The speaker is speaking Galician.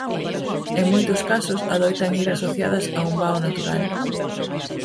En moitos casos adoitan ir asociadas a un vao natural.